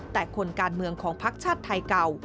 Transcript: แต่คนการเมืองของภักดิ์ชาติไทยเก่า